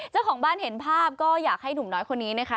เจ้าของบ้านเห็นภาพก็อยากให้หนุ่มน้อยคนนี้นะคะ